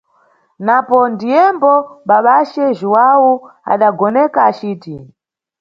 Napo ndiyembo babace Jhuwawu adagoneka aciti.